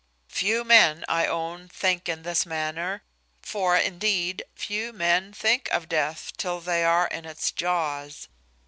Few men, I own, think in this manner; for, indeed, few men think of death till they are in its jaws.